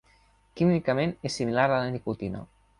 Químicament és similar a la nicotina.